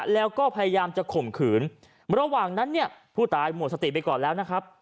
แล้วก็พยายามจะข่มขืนระหว่างนั้นเนี่ยผู้ตายหมดสติไปก่อนแล้วนะครับ